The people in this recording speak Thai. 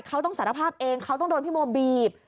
เขาต้องสารภาพเองเขาต้องโดนพี่โมบีบ